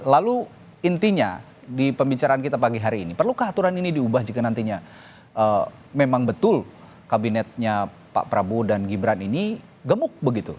lalu intinya di pembicaraan kita pagi hari ini perlukah aturan ini diubah jika nantinya memang betul kabinetnya pak prabowo dan gibran ini gemuk begitu